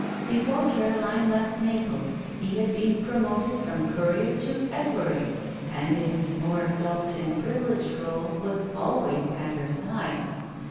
Before Caroline left Naples he had been promoted from courier to equerry, and in this more exalted and privileged rôle was always at her side.